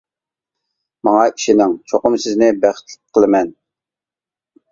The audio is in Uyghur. ماڭا ئىشىنىڭ چوقۇم سىزنى بەختلىك قىلىمەن.